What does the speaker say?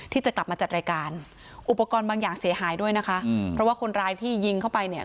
ที่จะกลับมาจัดรายการอุปกรณ์บางอย่างเสียหายด้วยนะคะอืมเพราะว่าคนร้ายที่ยิงเข้าไปเนี่ย